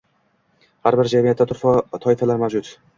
Har bir jamiyatda turfa toifalar mavjud.